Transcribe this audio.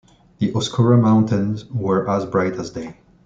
The Oscura mountains were as bright as day.